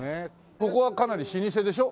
ここはかなり老舗でしょ？